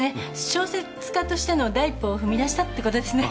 小説家としての第一歩を踏み出したってことですね。